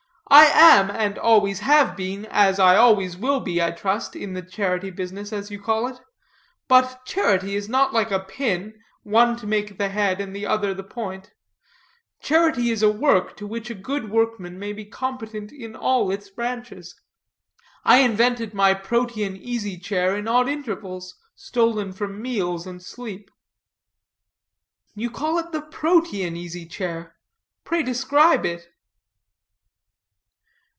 I am, and always have been, as I always will be, I trust, in the charity business, as you call it; but charity is not like a pin, one to make the head, and the other the point; charity is a work to which a good workman may be competent in all its branches. I invented my Protean easy chair in odd intervals stolen from meals and sleep." "You call it the Protean easy chair; pray describe it."